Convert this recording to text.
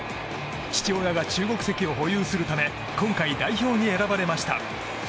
父親が中国籍を保有するため今回、代表に選ばれました。